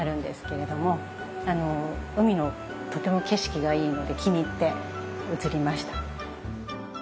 海のとても景色がいいので気に入って移りました。